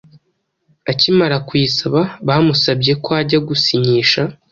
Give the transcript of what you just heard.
Akimara kuyisaba bamusabye ko ajya gusinyisha